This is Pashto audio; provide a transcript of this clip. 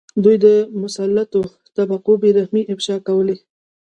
دوی د مسلطو طبقو بې رحمۍ افشا کولې.